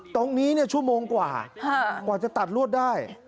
ตรงนี้ชั่วโมงกว่ากว่าจะตัดลวดได้